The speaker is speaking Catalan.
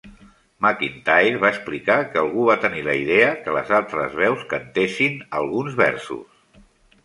McEntire va explicar que algú va tenir la idea que les altres veus cantessin alguns versos.